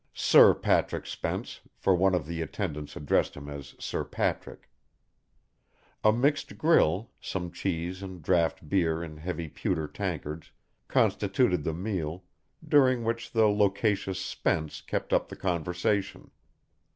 Sir Patrick Spence, for one of the attendants addressed him as Sir Patrick. A mixed grill, some cheese and draught beer in heavy pewter tankards, constituted the meal, during which the loquacious Spence kept up the conversation.